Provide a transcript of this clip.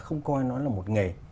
không coi nó là một nghề